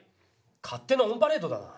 勝手のオンパレードだな！